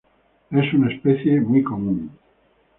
Es una especie muy común.